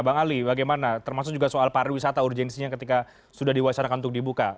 bang ali bagaimana termasuk juga soal pariwisata urgensinya ketika sudah diwacanakan untuk dibuka